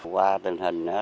qua tình hình